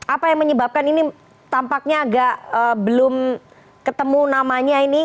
apa yang menyebabkan ini tampaknya agak belum ketemu namanya ini